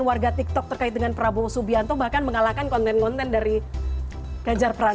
warga tiktok terkait dengan prabowo subianto bahkan mengalahkan konten konten dari ganjar pranowo